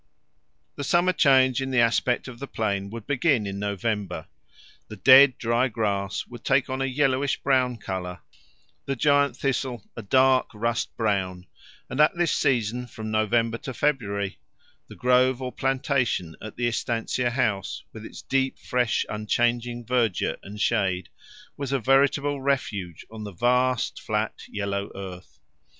The summer change in the aspect of the plain would begin in November: the dead dry grass would take on a yellowish brown colour, the giant thistle a dark rust brown, and at this season, from November to February, the grove or plantation at the estancia house, with its deep fresh unchanging verdure and shade, was a veritable refuge on the vast flat yellow earth.